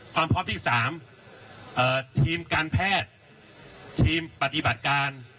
ความพร้อมที่๓ทีมการแพทย์ทีมปฏิบัติการ